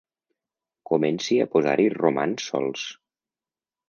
Comenci a posar-hi romans sols.